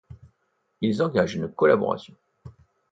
Ils engagent une collaboration.